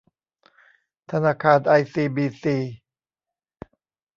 ธนาคารไอซีบีซี